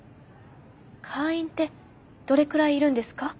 会員ってどれくらいいるんですか？